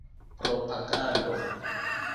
propagando